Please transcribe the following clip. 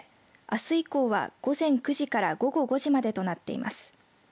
あす以降は、午前９時から午後５時までとなっています。